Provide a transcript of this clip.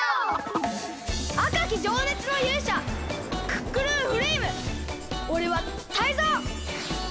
あかきじょうねつのゆうしゃクックルンフレイムおれはタイゾウ！